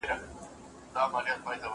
موږ ډوډۍ خورو.